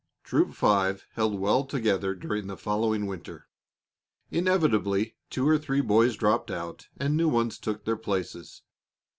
Troop Five held well together during the following winter. Inevitably, two or three boys dropped out and new ones took their places.